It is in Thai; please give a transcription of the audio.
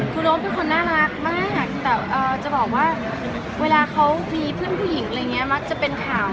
ครูโน้ตเป็นน่ารักมากแต่จะบอกว่าเวลามีเพื่อนผู้หญิงมากจะเป็นข่าว